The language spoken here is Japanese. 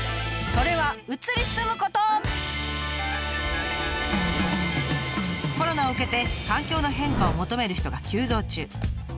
それはコロナを受けて環境の変化を求める人が急増中。